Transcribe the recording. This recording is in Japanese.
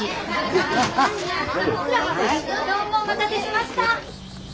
どうもお待たせしました。